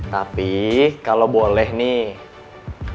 tapi kalau boleh nih